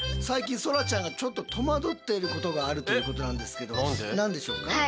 最近そらちゃんがちょっと戸惑っていることがあるということなんですけど何でしょうか？